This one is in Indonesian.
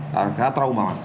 karena trauma mas